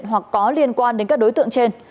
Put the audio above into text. hoặc có liên quan đến các đối tượng trên